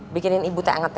bikinin ibu teh anget ya